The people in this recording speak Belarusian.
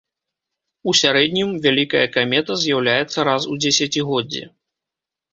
У сярэднім, вялікая камета з'яўляецца раз у дзесяцігоддзе.